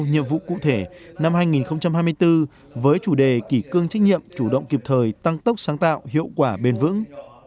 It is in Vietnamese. nhiệm vụ cụ thể năm hai nghìn hai mươi bốn với chủ đề kỷ cương trách nhiệm chủ động kịp thời tăng tốc sáng tạo hiệu quả bền vững